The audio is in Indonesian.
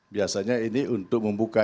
biasanya ini untuk membuka